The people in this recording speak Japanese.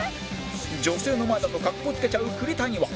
女性の前だとかっこつけちゃう栗谷は